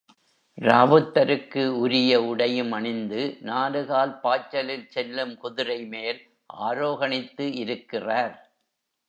ராவுத்தருக்கு உரிய உடையும் அணிந்து நாலுகால் பாய்ச்சலில் செல்லும் குதிரைமேல் ஆரோகணித்து இருக்கிறார்.